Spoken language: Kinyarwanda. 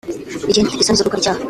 ikindi mfite isoni zo gukora icyaha